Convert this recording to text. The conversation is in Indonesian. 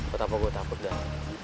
gapapa gue takut dhan